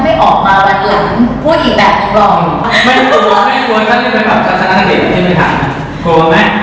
ไม่ควรไม่ควรถ้าเล่นแบบภาพทัศนาคติดของท่านควรไหม